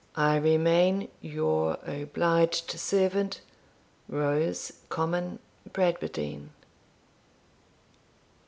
I remain, your obliged servant, ROSE COMYNE BRADWARDINE.